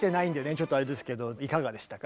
ちょっとあれですけどいかがでしたか？